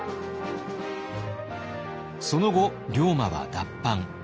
その後龍馬は脱藩。